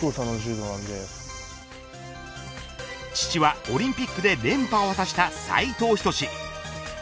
父はオリンピックで連覇を果たした斉藤仁。